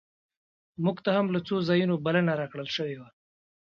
مونږ ته هم له څو ځایونو بلنه راکړل شوې وه.